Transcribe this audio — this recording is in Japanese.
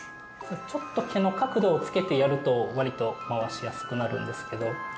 ちょっと毛の角度をつけてやると割と回しやすくなるんですけど。